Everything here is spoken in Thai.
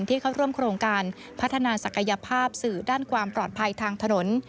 เข้าร่วมโครงการพัฒนาศักยภาพสื่อด้านความปลอดภัยทางถนน